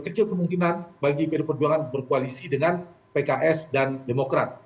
kecil kemungkinan bagi pd perjuangan berkoalisi dengan pks dan demokrat